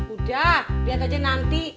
udah lihat aja nanti